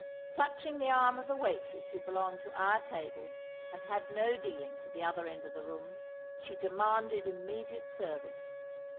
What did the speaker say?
Clutching the arm of the waitress who belonged to our table and had no dealings with the other end of the room, she demanded immediate service.